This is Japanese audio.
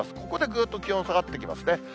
ここでぐっと気温下がってきますね。